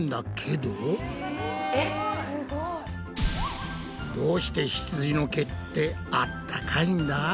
どうしてひつじの毛ってあったかいんだ！？